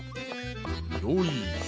よいしょ。